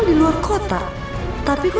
tidak ada apa apa